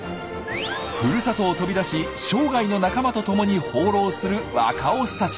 ふるさとを飛び出し生涯の仲間と共に放浪する若オスたち。